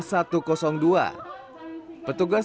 ia sempat menangis saat disuntik vaksinator dari korem satu ratus dua